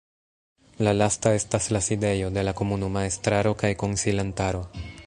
La lasta estas la sidejo de la komunuma estraro kaj konsilantaro.